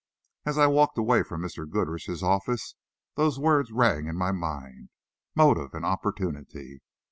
As I walked away from Mr. Goodrich's office, those words rang in my mind, motive and opportunity.